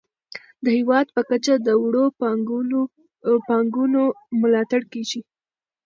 د هیواد په کچه د وړو پانګونو ملاتړ کیږي.